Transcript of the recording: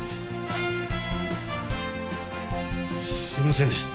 すいませんでした。